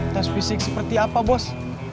tes fisik seperti apa bos